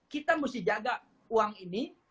kita mesti jaga uang ini